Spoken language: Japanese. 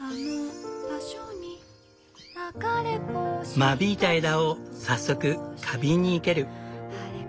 間引いた枝を早速花瓶に生ける。